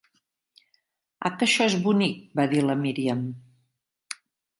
"A que això és bonic?', va dir la Míriam.